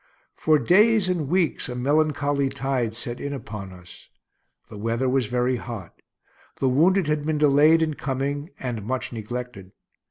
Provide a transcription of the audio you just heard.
For days and weeks a melancholy tide set in upon us. The weather was very hot. The wounded had been delayed in coming, and much neglected.